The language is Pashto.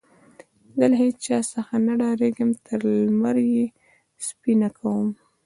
زه له هيچا څخه نه ډارېږم؛ تر لمر يې سپينه کوم.